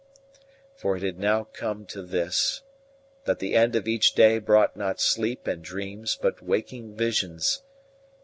For it had now come to this, that the end of each day brought not sleep and dreams, but waking visions.